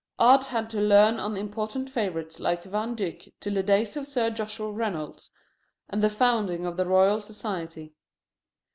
Art had to lean on imported favorites like Van Dyck till the days of Sir Joshua Reynolds and the founding of the Royal Society.